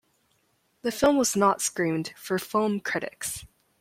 The film was not screened for film critics.